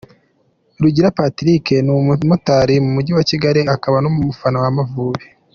Rugira Patrick, ni umumotari mu Mujyi wa Kigali akaba n’umufana w’Amavubi.